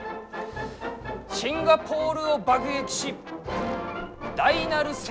シンガポールを爆撃し大なる戦果を収めたり。